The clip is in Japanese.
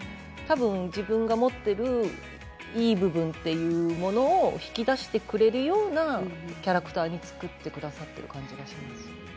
たぶん、自分が持っているいい部分というものを引き出してくれるようなキャラクターに作ってくださっている感じがします。